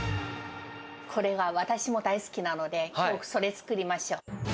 これは私も大好きなので、きょう、それ作りましょう。